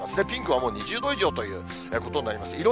ピンクはもう、２０度以上ということになります。